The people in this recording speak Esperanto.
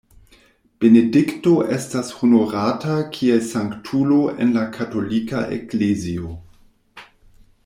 Benedikto estas honorata kiel sanktulo en la katolika eklezio.